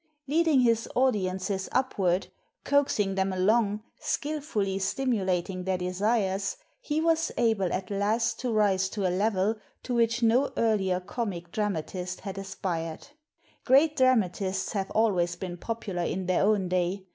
Leading 222 THE MODERNITY OF MOLIERE his audiences upward, coaxing them along, skfl hlly stimulating their desires, he was able at last to rise to a level to which no earlier comic dramatist had aspired. Great dramatists have always been popular in their own day.